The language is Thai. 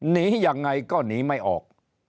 หนียังไงก็หนีไม่ออก